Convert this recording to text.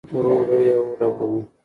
رور، رور، رور اولګوو